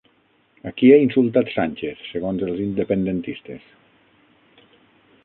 A qui ha insultat Sánchez segons els independentistes?